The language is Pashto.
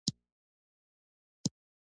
ازادي راډیو د سوداګري بدلونونه څارلي.